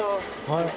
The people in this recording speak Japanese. はい。